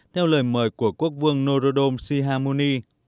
theo lời mời của quốc vương norodom sihamuni